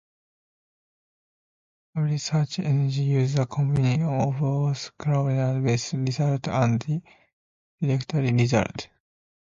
Hybrid search engines use a combination of both crawler-based results and directory results.